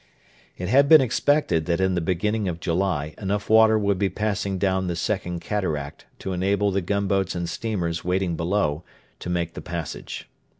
It had been expected that in the beginning of July enough water would be passing down the Second Cataract to enable the gunboats and steamers waiting below to make the passage.